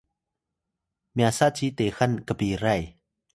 myasa ci texan kpiray